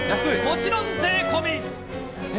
もちろん、税込み。